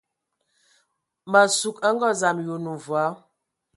Ma sug a ngɔ dzam, yi onə mvɔí ?